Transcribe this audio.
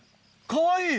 かわいい。